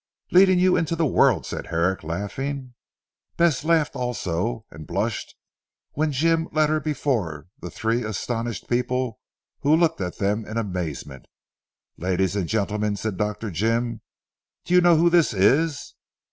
"Leading you into the world," said Herrick laughing. Bess laughed also and blushed when Jim led her before the three astonished people who looked at them in amazement. "Lady and gentlemen," said Dr. Jim, "do you know who this is?"